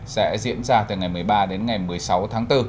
sẽ diễn ra từ ngày một mươi ba đến ngày một mươi sáu tháng bốn